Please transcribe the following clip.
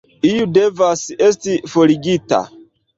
Iu devas esti forigita.